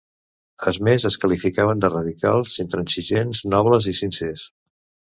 A més es qualificaven de radicals, intransigents, nobles i sincers.